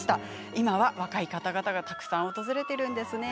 今は若い方々がたくさん訪れているんですね。